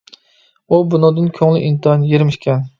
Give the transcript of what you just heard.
ئۇ بۇنىڭدىن كۆڭلى ئىنتايىن يېرىم ئىكەن.